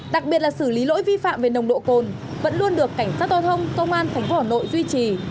đặc biệt là xử lý lỗi vi phạm về nồng độ cồn vẫn luôn được cảnh sát hòa thông công an thành phố hà nội duy trì